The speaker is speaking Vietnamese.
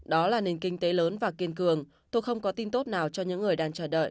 đó là nền kinh tế lớn và kiên cường tôi không có tin tốt nào cho những người đang chờ đợi